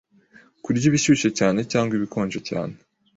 Kurya ibishyushye cyane cyangwa ibikonje cyane